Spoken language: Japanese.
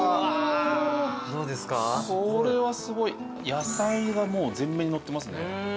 野菜がもう全面にのってますね。